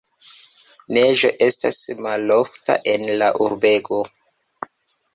Neĝo estas malofta en la urbego.